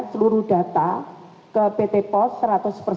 seluruh data ke pt pol seratus